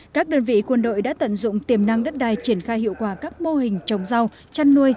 các đơn vị quân đội đã tận dụng tiềm năng đất đai triển khai hiệu quả các mô hình trồng rau chăn nuôi